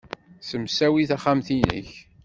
Ssemsawi taxxamt-nnek.